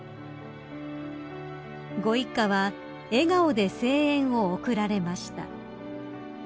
［ご一家は笑顔で声援を送られました］